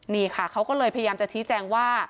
นี่ค่ะเขาก็เลยพยายามจะชี้แจงว่า